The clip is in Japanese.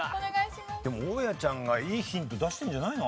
でも大家ちゃんがいいヒント出してんじゃないの？